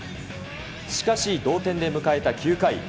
しかし、同点で迎えた９回。